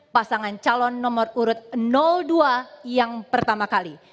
pasangan calon nomor urut dua yang pertama kali